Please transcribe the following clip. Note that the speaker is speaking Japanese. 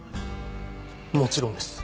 もちろんです。